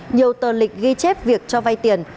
nhiều tờ lịch ghi chép việc cho vay tiền